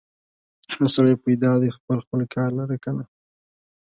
هر سړی پیدا دی خپل خپل کار لره که نه؟